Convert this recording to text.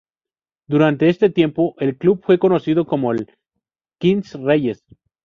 Durante este tiempo, el club fue conocido como el "Queens Reyes".